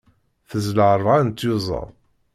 Tezla ṛebɛa n tyuẓaḍ.